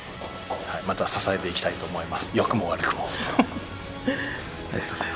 また支えていきたいと思います、良くも悪くも。